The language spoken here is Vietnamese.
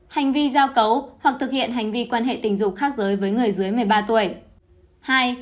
hành vi giao cấu hoặc thực hiện hành vi quan hệ tình dục khác giới với người dưới một mươi ba tuổi